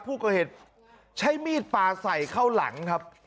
ผู้ก่อเหตุใช้มีดปลาใส่เข้าหลังครับ